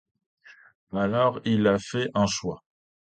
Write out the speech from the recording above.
Alors il a fait un choix ?…